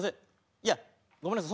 いやごめんなさい。